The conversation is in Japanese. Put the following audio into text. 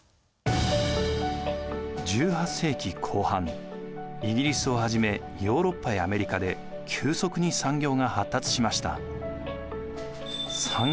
１８世紀後半イギリスをはじめヨーロッパやアメリカで急速に産業が発達しました。